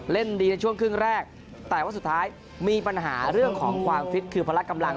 ดีในช่วงครึ่งแรกแต่ว่าสุดท้ายมีปัญหาเรื่องของความฟิตคือพละกำลัง